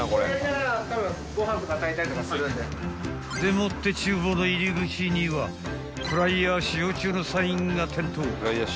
もって厨房の入り口にはフライヤー使用中のサインが点灯］